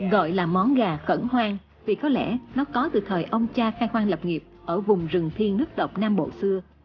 gọi là món gà cận hoang vì có lẽ nó có từ thời ông cha khai khoan lập nghiệp ở vùng rừng thiên nước độc nam bộ xưa